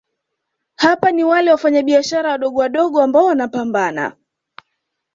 hapa ni wale Wafanyabiashara wadogowadogo ambao wanapambana